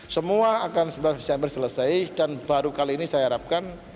semua akan sembilan desember selesai dan baru kali ini saya harapkan